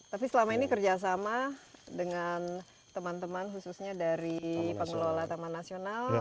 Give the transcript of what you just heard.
tapi selama ini kerjasama dengan teman teman khususnya dari pengelola taman nasional